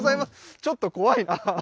ちょっと怖い。